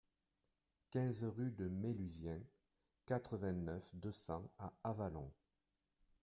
quinze rue de Méluzien, quatre-vingt-neuf, deux cents à Avallon